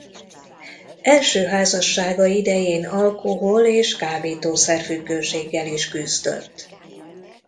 Első házassága idején alkohol- és kábítószer-függőséggel is küzdött.